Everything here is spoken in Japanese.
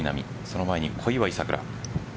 その前に小祝さくら。